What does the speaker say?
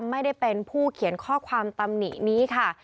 ไม่ได้เป็นผู้เขียนข้อความตำหนินี้ค่ะ